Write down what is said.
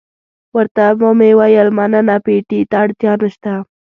ورته ومې ویل مننه، پېټي ته اړتیا نشته.